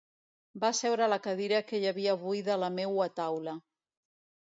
Va seure a la cadira que hi havia buida a la meua taula.